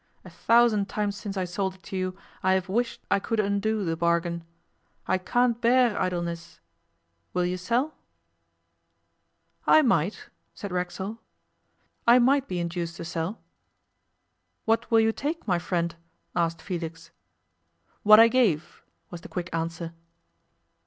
A thousand times since I sold it to you I have wished I could undo the bargain. I can't bear idleness. Will you sell?' 'I might,' said Racksole, 'I might be induced to sell.' 'What will you take, my friend?' asked Felix 'What I gave,' was the quick answer.